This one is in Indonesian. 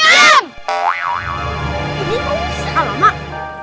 ini salah mak